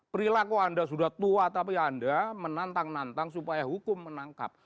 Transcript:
perilaku anda sudah tua tapi anda menantang nantang supaya hukum menangkap